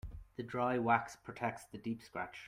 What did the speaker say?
The dry wax protects the deep scratch.